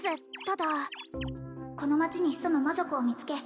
ただこの町に潜む魔族を見つけ